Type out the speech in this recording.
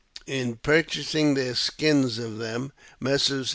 In purchasing their skins of them, Messrs.